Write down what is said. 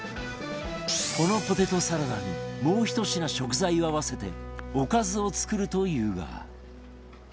このポテトサラダにもうひと品食材を合わせておかずを作るというが